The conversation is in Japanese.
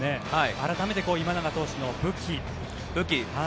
改めて今永投手の武器。